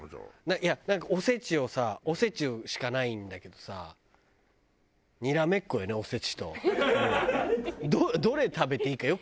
いやお節をさお節しかないんだけどさにらめっこよねお節と。どれ食べていいかよく。